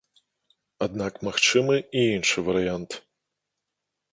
Аднак магчымы і іншы варыянт.